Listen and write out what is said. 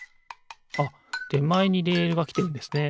あってまえにレールがきてるんですね。